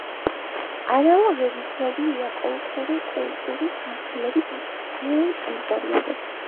ანალოგიები ცნობილია კოლხური კულტურის გავრცელების მთელ ტერიტორიაზე.